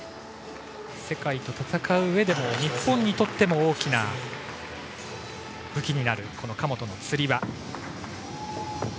世界と戦ううえでも日本にとっても大きな武器になる神本のつり輪。